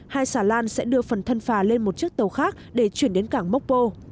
hai xà lan sẽ đưa phần thân phà lên một chiếc tàu khác để chuyển đến cảng mocpo